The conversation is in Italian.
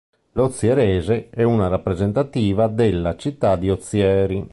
L'Ozierese è una rappresentativa della città di Ozieri.